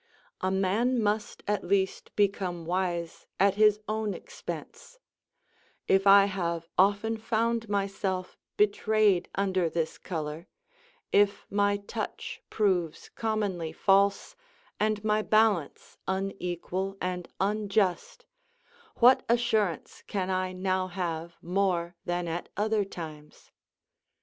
A man must at least become wise at his own expense; if I have often found myself betrayed under this colour; if my touch proves commonly false, and my balance unequal and unjust, what assurance can I now have more than at other times?